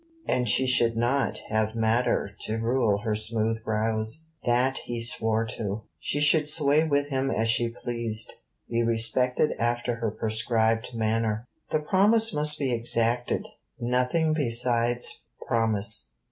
And she should not have matter to rule her smooth brows: that he swore to. She should sway him as she pleased, be respected after her prescribed manner. The promise must be exacted; nothing besides, promise.